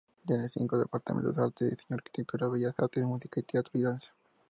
Tiene cinco departamentos: Arte, Diseño y Arquitectura, Bellas Artes, Música y Teatro y Danza.